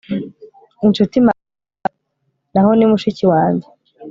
inshuti magara? nah, ni mushiki wanjye